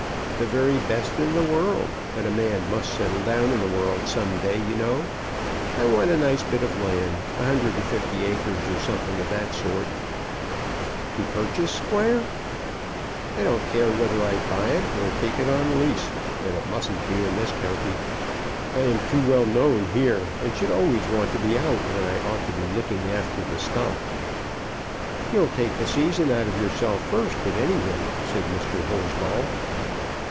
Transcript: "The very best in the world; but a man must settle down in the world some day, you know. I want a nice bit of land, a hundred and fifty acres, or something of that sort." "To purchase, squire?" "I don't care whether I buy it or take it on lease. But it mustn't be in this county. I am too well known here, and should always want to be out when I ought to be looking after the stock." "You'll take the season out of yourself first, at any rate," said Mr. Horsball.